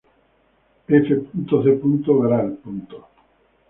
F. C. Gral.